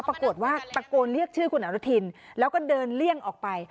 ปรากฏว่าตะโกนเรียกชื่อคุณอนุทินแล้วก็เดินเลี่ยงออกไป